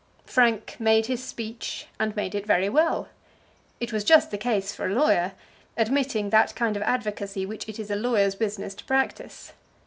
Frank made his speech, and made it very well. It was just the case for a lawyer, admitting that kind of advocacy which it is a lawyer's business to practise.